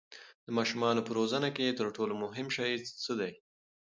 د ماشومانو په روزنه کې تر ټولو مهم شی څه دی؟